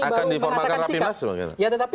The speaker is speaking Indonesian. baru mengatakan sikat akan diformalkan rapimnas ya tetapi